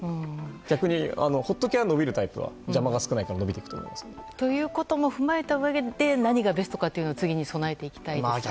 逆に、放っておけば伸びるタイプは邪魔が少ないからということも踏まえたうえで何がベストかというのを次に備えていきたいですね。